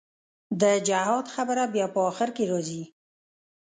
د جهاد خبره بيا په اخر کښې رځي.